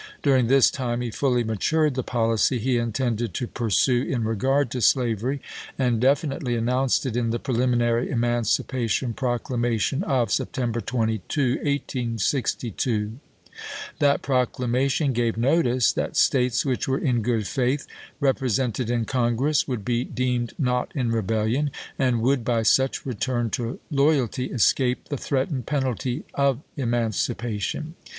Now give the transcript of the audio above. During this time he fully matured the policy he intended to pursue in regard to slavery, and def initely announced it in the preliminary emancipa tion proclamation of September 22, 1862. That proclamation gave notice that States which were in good faith represented in Congress would be deemed not in rebellion, and would, by such return to loyalty, escape the threatened penalty of eman cipation.